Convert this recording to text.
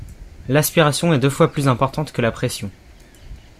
L'aspiration est deux fois plus importante que la pression.